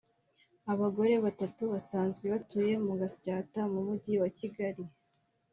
abagore batatu basanzwe batuye mu Gatsata mu Mujyi wa Kigali